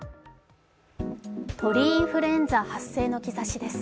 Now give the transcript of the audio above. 鳥インフルエンザ発生の兆しです。